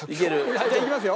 じゃあいきますよ。